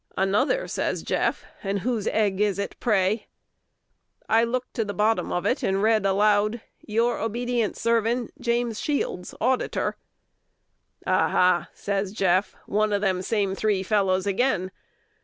"Another!" says Jeff; "and whose egg is it, pray?" I looked to the bottom of it, and read aloud, "Your obedient servant, Jas. Shields, Auditor." "Aha!" says Jeff, "one of them same three fellows again.